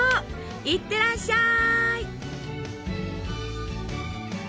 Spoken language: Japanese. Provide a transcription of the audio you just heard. いってらっしゃい！